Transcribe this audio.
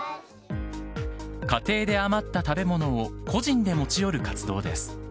家庭で余った食べ物を個人で持ち寄る活動です。